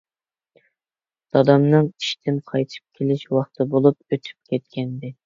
دادامنىڭ ئىشتىن قايتىپ كېلىش ۋاقتى بولۇپ ئۆتۈپ كەتكەنىدى.